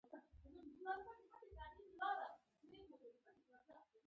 د امازون کلمه د ډېر زوږ او غږ لرونکي اوبو په معنا ده.